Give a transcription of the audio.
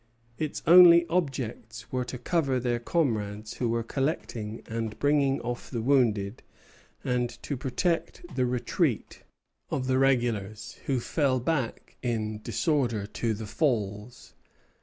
Its only objects were to cover their comrades, who were collecting and bringing off the wounded, and to protect the retreat of the regulars, who fell back in disorder to the Falls.